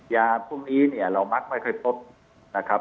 ยาพวกนี้เนี่ยเรามักไม่ค่อยพบนะครับ